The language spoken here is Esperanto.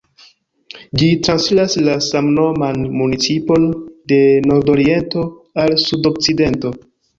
Ĝi transiras la samnoman municipon de nordoriento al sudokcidento.